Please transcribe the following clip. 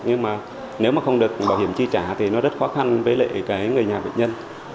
nhưng mà nếu mà không được bảo hiểm chi trả thì nó rất khó khăn với lại cái người nhà bệnh nhân